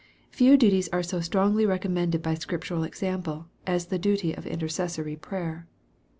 Few duties are so strongly recommended by Scriptural example, as the duty of intercessory prayer.